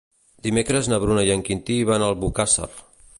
Dimecres na Bruna i en Quintí van a Albocàsser.